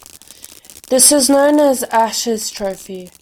This is known as the Ashes Trophy.